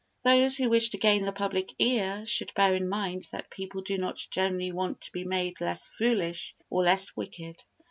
Those who wish to gain the public ear should bear in mind that people do not generally want to be made less foolish or less wicked.